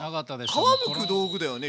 皮むく道具だよね？